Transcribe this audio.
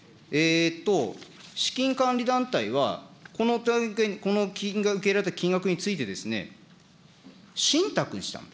資金管理団体はこの金額を、金額について、信託にした。